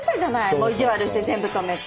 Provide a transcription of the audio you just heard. もう意地悪して全部止めて。